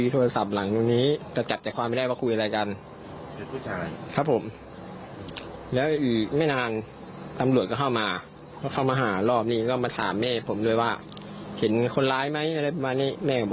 แต่ตอนที่เขาวิ่งไปแล้วกระทืบกันอันนี้เห็นไหม